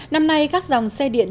năm nay các dòng xe điện